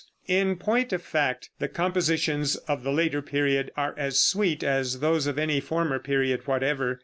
In point of fact the compositions of the later period are as sweet as those of any former period whatever.